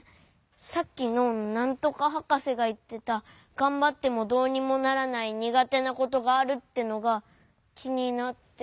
さっきのなんとかはかせがいってた「がんばってもどうにもならないにがてなことがある」ってのがきになって。